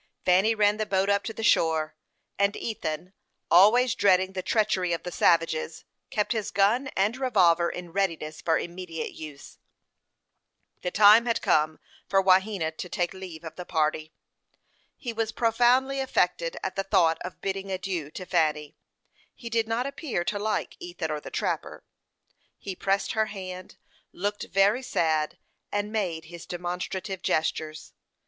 Fanny ran the boat up to the shore, and Ethan, always dreading the treachery of the savages, kept his gun and revolver in readiness for immediate use. The time had come for Wahena to take leave of the party. He was profoundly affected at the thought of bidding adieu to Fanny; he did not appear to like Ethan or the trapper. He pressed her hand, looked very sad, and made his demonstrative gestures.